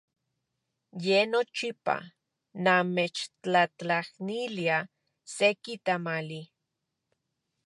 Ye nochipa namechtlajtlanilia seki tamali.